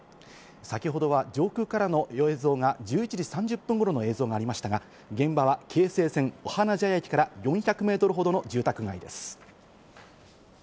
先ほどは上空からの映像が１１時３０分頃の映像がありましたが、現場は京成線お花茶屋駅から４００メートルほどの住宅街です。